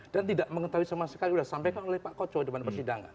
tidak mengetahui sama sekali sudah disampaikan oleh pak kocok di depan persidangan